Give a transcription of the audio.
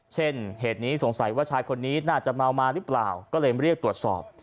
เช่นเหตุนี้สงสัยว่าชายคนนี้น่าจะเมามาหรือเปล่าก็เลยเรียกตรวจสอบ